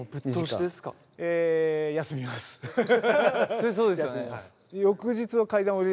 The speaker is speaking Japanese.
そりゃそうですよね。